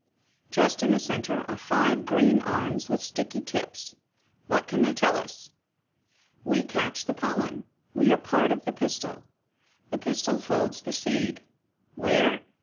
Just in the center are five green arms with sticky tips. What can they tell us ?" We catch the pollen. We are part of the pistil. The pistil holds the seed. Where?